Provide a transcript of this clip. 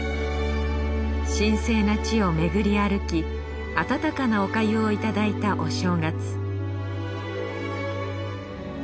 神聖な地をめぐり歩き温かなお粥をいただいたお正月